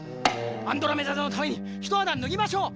アンドロメダ座のためにひとはだぬぎましょう！